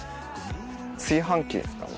炊飯器ですかね。